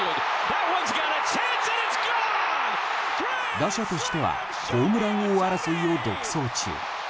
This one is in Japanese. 打者としてはホームラン王争いを独走中。